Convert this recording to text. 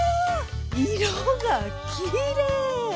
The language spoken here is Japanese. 色がきれい！